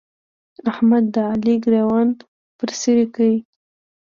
احمد د علي ګرېوان پر څيرې کړ.